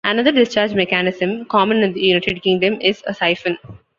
Another discharge mechanism, common in the United Kingdom, is a siphon.